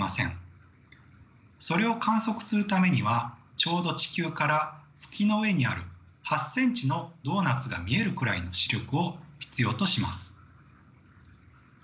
それを観測するためにはちょうど地球から月の上にある８ｃｍのドーナツが見えるくらいの視力を必要とします。